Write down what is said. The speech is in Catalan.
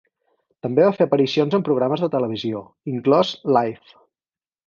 També va fer aparicions en programes de televisió, inclòs Live!